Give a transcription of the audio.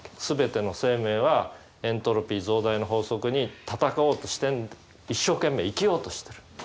全ての生命はエントロピー増大の法則に戦おうとして一生懸命生きようとしてる。